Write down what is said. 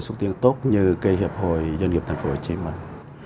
xuất tiên tốt như hiệp hội doanh nghiệp thành phố hồ chí minh